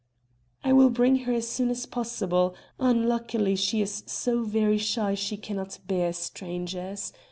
"I will bring her as soon as possible; unluckily she is so very shy she cannot bear strangers.